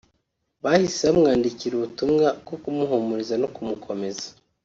bahise bamwandikira ubutumwa bwo kumuhumuriza no kumukomeza